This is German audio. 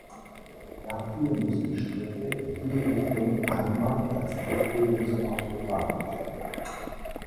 Dafür muss die Strecke je Richtung einmal als Ausbildungsfahrt befahren werden.